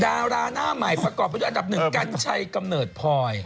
ดาราหน้าใหม่ประกอบประดูกอันดับ๑กัญชัยกำเนิดพอย